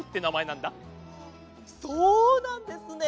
そうなんですね。